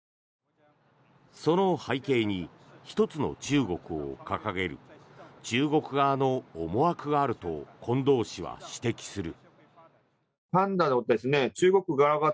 その背景に一つの中国を掲げる中国側の思惑があると近藤氏は指摘する。